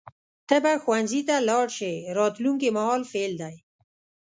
ته به ښوونځي ته لاړ شې راتلونکي مهال فعل دی.